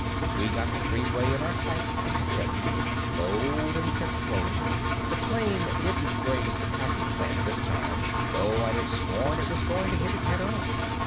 We got the freeway in our sights and steadied and slowed and kept slowing. The plane didn't graze the cracking plant this time, though I'd have sworn it was going to hit it head on.